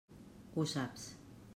Ho saps.